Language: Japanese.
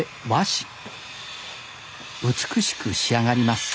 美しく仕上がります